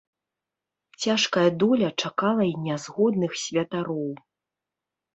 Цяжкая доля чакала і нязгодных святароў.